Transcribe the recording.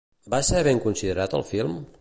Va ser ben considerat el film?